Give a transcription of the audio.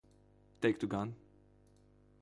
Teiktu gan.